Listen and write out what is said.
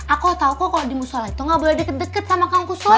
aku tahu kok kalau di mushollah itu nggak boleh deket deket sama kangkusoy